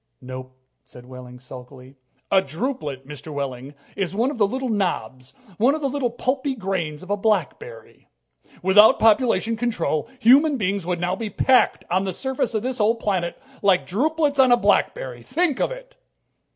"Nope," said Wehling sulkily. "A drupelet, Mr. Wehling, is one of the little knobs, one of the little pulpy grains of a blackberry," said Dr. Hitz. "Without population control, human beings would now be packed on this surface of this old planet like drupelets on a blackberry! Think of it!"